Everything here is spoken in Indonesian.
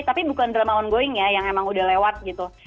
tapi bukan drama on going ya yang emang udah lewat gitu